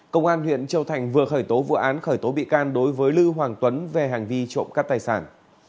công an huyện châu thành vừa khởi tố vụ án khởi tố bị can đối với lư hoàng tuấn về hành vi trộn các tài sản